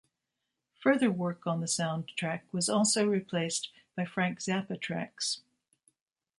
Further work on the soundtrack was also replaced by Frank Zappa tracks.